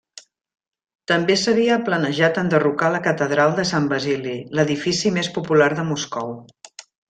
També s'havia planejat enderrocar la catedral de Sant Basili, l'edifici més popular de Moscou.